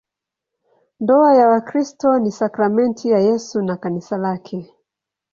Ndoa ya Wakristo ni sakramenti ya Yesu na Kanisa lake.